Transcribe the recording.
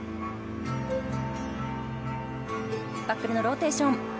バックルのローテーション。